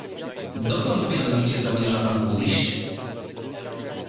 "Dokąd mianowicie zamierza pan pójść?"